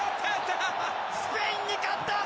スペインに勝った！